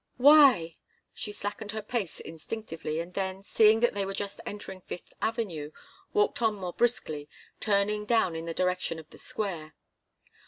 "Why?" She slackened her pace instinctively, and then, seeing that they were just entering Fifth Avenue, walked on more briskly, turning down in the direction of the Square.